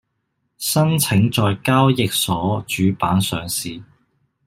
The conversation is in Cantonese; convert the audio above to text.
申請在交易所主板上市